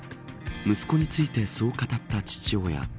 息子についてそう語った父親。